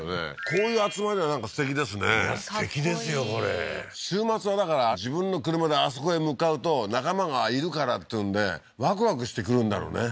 こういう集まりはなんかすてきですねいやすてきですよこれ週末はだから自分の車であそこへ向かうと仲間がいるからっていうんでワクワクしてくるんだろうね